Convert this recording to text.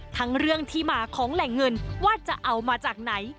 ทั้งเรื่องที่มาของแหล่งเงินว่าจะเอามาจากไหน